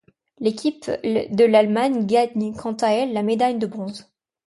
L'équipe I de l'Allemagne gagne quant à elle la médaille de bronze.